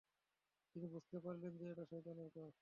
তিনি বুঝতে পারলেন যে, এটা শয়তানের কাজ।